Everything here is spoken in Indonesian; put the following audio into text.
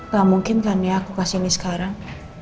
tak mungkin kan ya aku kasih ini sekarang